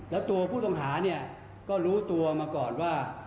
แล้วตัวผู้ต้องหาเนี่ยก็รู้ตัวมาก่อนว่า